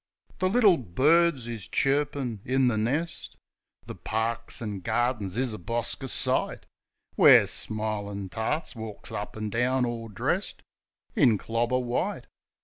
The little birds is chirpin' in the nest, The parks, an' gardings is a bosker sight, Where smilin' tarts walks up an' down, all dressed In clobber white.